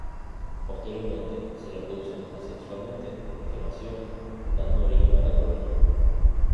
Posteriormente, se reproducen asexualmente por gemación, dando origen a la colonia.